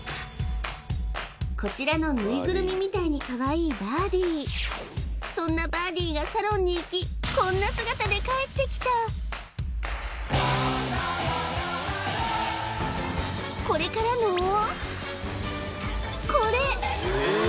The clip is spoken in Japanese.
こちらのぬいぐるみみたいにカワイイバーディーそんなバーディーがサロンに行きこんな姿で帰ってきたこれからのこれ！